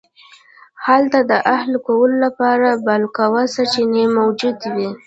هلته د اهلي کولو لپاره بالقوه سرچینې موجودې وې